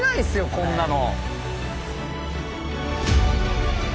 こんなの。